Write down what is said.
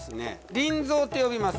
輪蔵と呼びます。